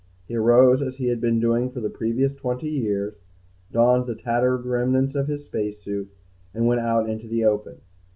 He arose, as he had been doing for the previous twenty years, donned the tattered remnants of his space suit, and went out into the open.